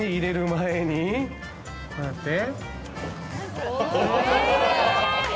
こうやって。